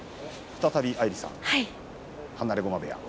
再びアイリさん、放駒部屋。